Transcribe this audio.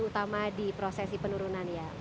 utama di prosesi penurunan ya